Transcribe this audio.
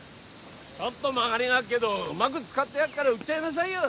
ちょっと曲がりがあっけどうまぐ使ってやっから売っちゃいなさいよ。